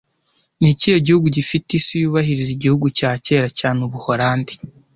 Ni ikihe gihugu gifite isi yubahiriza igihugu cya kera cyane Ubuholandi